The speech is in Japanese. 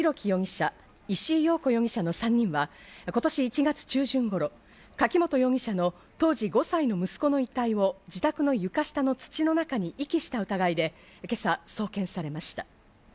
容疑者、石井陽子容疑者の３人は今年１月中旬頃、柿本容疑者の当時５歳の息子の遺体を自宅の床下の土の中に遺棄した疑いでけさ送検されました。